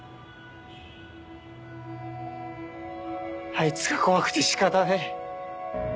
あいつが怖くて仕方ねえ。